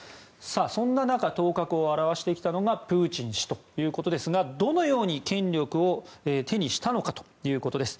そんな中、頭角を現してきたのがプーチン氏ということですがどのように権力を手にしたのかということです。